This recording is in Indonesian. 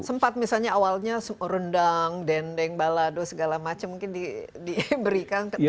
sempat misalnya awalnya rendang dendeng balado segala macam mungkin diberikan dan tidak selera ya